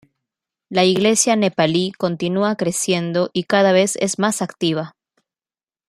La Iglesia nepalí continúa creciendo y cada vez es más activa.